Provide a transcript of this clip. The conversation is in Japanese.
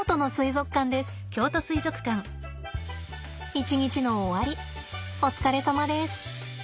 一日の終わりお疲れさまです。